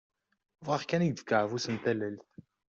Bɣiɣ kan ad ak-d-fkeɣ afus n tallalt!